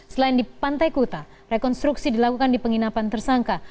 selain di pantai kuta rekonstruksi dilakukan di penginapan tersangka